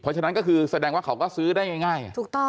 เพราะฉะนั้นก็คือแสดงว่าก็ซื้อได้ง่าย